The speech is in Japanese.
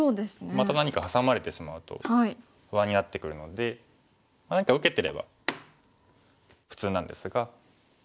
また何かハサまれてしまうと不安になってくるので何か受けてれば普通なんですが。